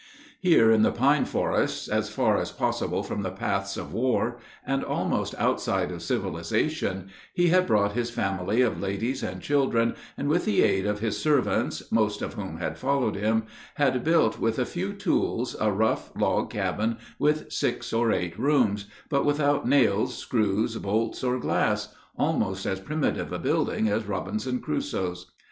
Here in the pine forests, as far as possible from the paths of war, and almost outside of civilization, he had brought his family of ladies and children, and with the aid of his servants, most of whom had followed him, had built with a few tools a rough log cabin with six or eight rooms, but without nails, screws, bolts, or glass almost as primitive a building as Robinson Crusoe's.